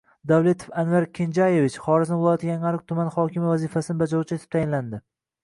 Davletov Anvar Kenjayevich Xorazm viloyati Yangiariq tumani hokimi vazifasini bajaruvchisi etib tayinlandi